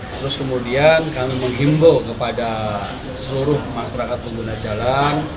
terus kemudian kami menghimbau kepada seluruh masyarakat pengguna jalan